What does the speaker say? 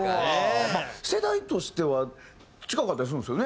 世代としては近かったりするんですよね？